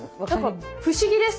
不思議です。